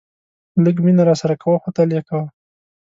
لږ مینه راسره کوه خو تل یې کوه.